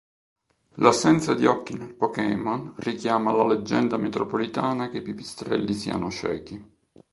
L'assenza di occhi nel Pokémon richiama la leggenda metropolitana che i pipistrelli siano ciechi.